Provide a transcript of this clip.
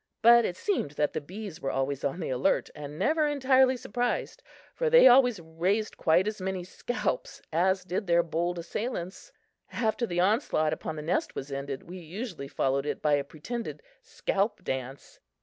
But it seemed that the bees were always on the alert and never entirely surprised, for they always raised quite as many scalps as did their bold assailants! After the onslaught upon the nest was ended, we usually followed it by a pretended scalp dance.